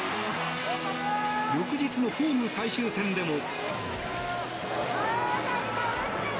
翌日のホーム最終戦でも。